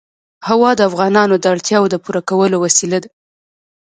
هوا د افغانانو د اړتیاوو د پوره کولو وسیله ده.